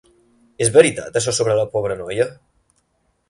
És veritat això sobre la pobra noia?